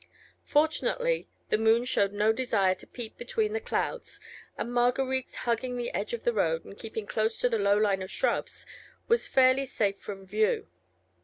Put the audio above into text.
Fortunately, the moon showed no desire to peep between the clouds, and Marguerite hugging the edge of the road, and keeping close to the low line of shrubs, was fairly safe from view.